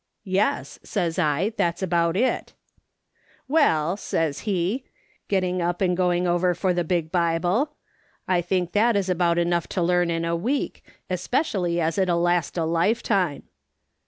"' Yes,' says I, ' that's about it,' "' Well,' says he, getting up and going over for the big Bible, ' I think that is about enough to learn in a week, especially as it'll last a lifetime.'